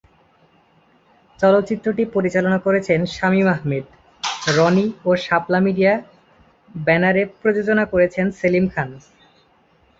চলচ্চিত্রটি পরিচালনা করেছেন শামীম আহমেদ রনি ও শাপলা মিডিয়া ব্যানারে প্রযোজনা করেছেন সেলিম খান।